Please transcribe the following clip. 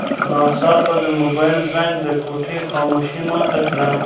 ناڅاپه د موبایل زنګ د کوټې خاموشي ماته کړه.